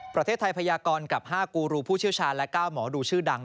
ประเทศไทยพยากรกับ๕กูรูผู้เชี่ยวชาญและ๙หมอดูชื่อดัง